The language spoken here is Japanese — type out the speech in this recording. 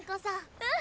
うん！